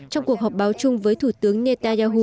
trong cuộc họp báo chung với thủ tướng netanyahu